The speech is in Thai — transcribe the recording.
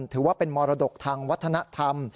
ถือว่าเป็นมรดกทางวัฒนธรรม